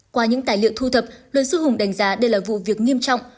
qua những tài liệu thu thập luật sư hùng đánh giá đây là vụ việc nghiêm trọng